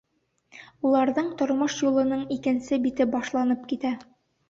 Уларҙың тормош юлының икенсе бите башланып китә.